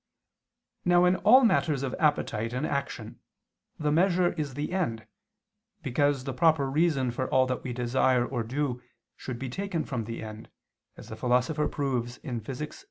Now in all matters of appetite and action the measure is the end, because the proper reason for all that we desire or do should be taken from the end, as the Philosopher proves (Phys.